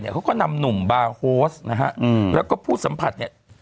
เขาก็นำหนุ่มบาร์โฮสและผู้สัมผัส